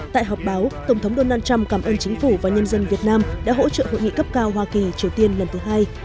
tại họp báo tổng thống donald trump cảm ơn chính phủ và nhân dân việt nam đã hỗ trợ hội nghị cấp cao hoa kỳ triều tiên lần thứ hai